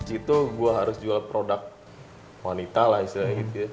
itu gue harus jual produk wanita lah istilahnya gitu ya